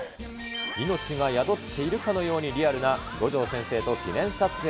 命が宿っているかのようにリアルな五条先生と記念撮影。